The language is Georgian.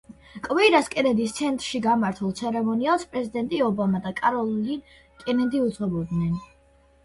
კვირას კენედის ცენტრში გამართულ ცერემონიალს პრეზიდენტი ობამა და კაროლინ კენედი უძღვებოდნენ.